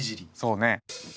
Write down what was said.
そうね。